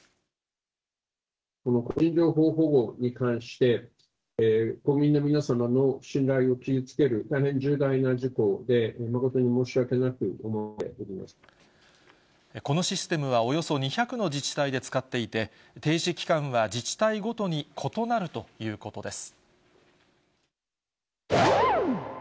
この個人情報保護に関して、国民の皆様の信頼を傷つける大変重大な事故で、このシステムはおよそ２００の自治体で使っていて、停止期間は自治体ごとに異なるということです。